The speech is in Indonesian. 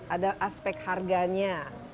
ada aspek harganya